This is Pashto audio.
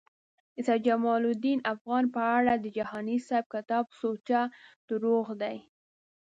د سید جمالدین افغان په اړه د جهانی صیب کتاب سوچه درواغ دی